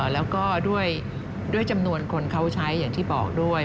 แล้วก็ด้วยจำนวนคนเขาใช้อย่างที่บอกด้วย